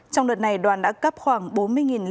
trong đợt này đoàn đã cấp khoảng bốn mươi lượng nước sạch